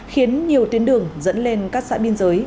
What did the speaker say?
khiến nhiều tuyến đường dẫn lên các xã biên giới